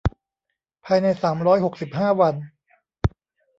ภายในสามร้อยหกสิบห้าวัน